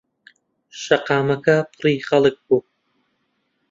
شەقاکەمە پڕی خەڵک بوو.